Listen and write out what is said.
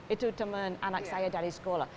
itu teman anak saya dari sekolah